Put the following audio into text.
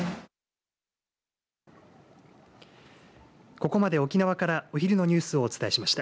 ここまで沖縄からお昼のニュースをお伝えしました。